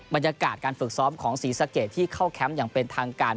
บรรยากาศการฝึกซ้อมของศรีสะเกดที่เข้าแคมป์อย่างเป็นทางการ